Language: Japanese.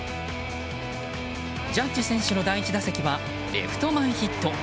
ジャッジ選手の第１打席はレフト前ヒット。